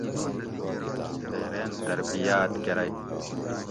تے رین تربیاۤت کرئی